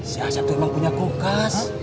si asep tuh emang punya kulkas